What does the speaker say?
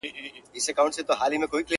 او خپل درد بيانوي خاموشه،